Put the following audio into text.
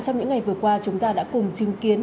trong những ngày vừa qua chúng ta đã cùng chứng kiến